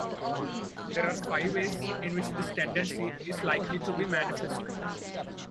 There are "five" ways in which this tendency is likely to be manifested.